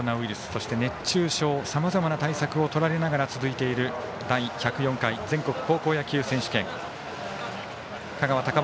そして熱中症さまざまな対策をとられながら続いている第１０４回全国高校野球選手権大会。